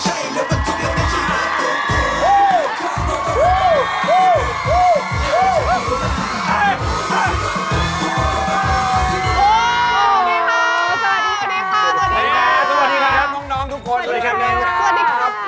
สวัสดีครับ